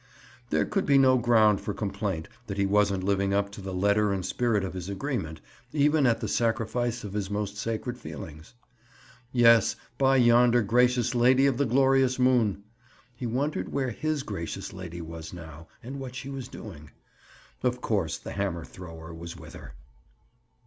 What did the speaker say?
There could be no ground for complaint that he wasn't living up to the letter and spirit of his agreement, even at the sacrifice of his most sacred feelings. Yes, by yonder gracious lady of the glorious moon! He wondered where his gracious lady was now and what she was doing? Of course, the hammer thrower was with her.